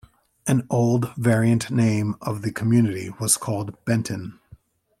An old variant name of the community was called Benton.